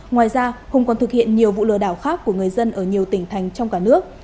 ngoài ra hùng còn thực hiện nhiều vụ lừa đảo khác của người dân ở nhiều tỉnh thành trong cả nước